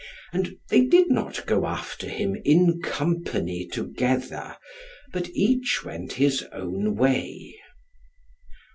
And they did not go after him in company together, but each went his own way.